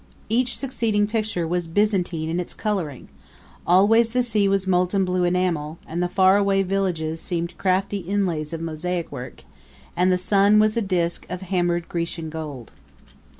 Each succeeding picture was Byzantine in its coloring. Always the sea was molten blue enamel, and the far away villages seemed crafty inlays of mosaic work; and the sun was a disk of hammered Grecian gold.